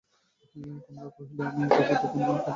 কমলা কহিল, আমি তো এখনি কাপড় ছাড়িয়া ফেলিব।